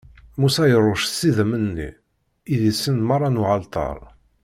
Musa iṛucc s idammen-nni, idisan meṛṛa n uɛalṭar.